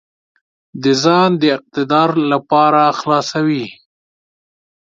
د ځان د اقتدار لپاره خلاصوي.